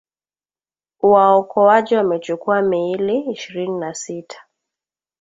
Waokoaji wamechukua miili ishirini na sita